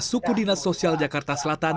suku dinas sosial jakarta selatan